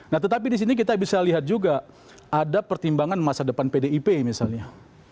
nah tetapi di sini kita bisa lihat juga ada pertimbangan masa depan pdip misalnya